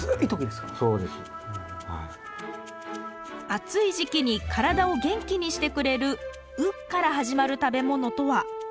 暑い時期に体を元気にしてくれる「う」から始まる食べ物とは？